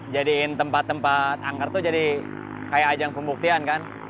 jadiin tempat tempat angker tuh jadi kayak ajang pembuktian kan